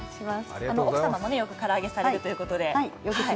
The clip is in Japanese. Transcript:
奥様もよく唐揚げされるということで。